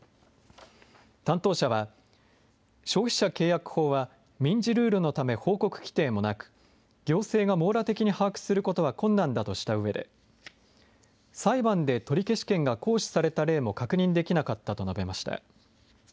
担当者は、消費者契約法は民事ルールのため報告規定もなく、行政が網羅的に把握することは困難だとしたうえで、裁判で取消権が行使された例も確認できなかったと述べました。